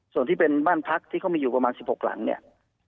ส่วนที่เป็นบ้านพักที่เขามีอยู่ประมาณ๑๖หลังเนี่ย